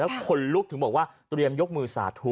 คนลุกถึงบอกว่าเตรียมยกมือสาธุ